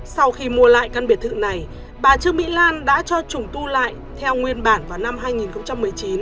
sau khi mua lại căn biệt thự này bà trương mỹ lan đã cho trùng tu lại theo nguyên bản vào năm hai nghìn một mươi chín